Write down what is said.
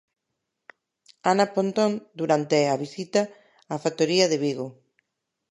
Ana Pontón, durante a visita á factoría de Vigo.